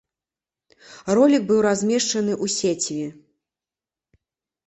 Ролік быў размешчаны ў сеціве.